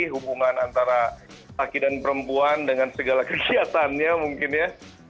hubungan antara laki dan perempuan dengan segala kegiatannya mungkin ya